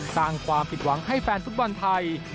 สร้างความผิดหวังให้แฟนฟุตบอลไทย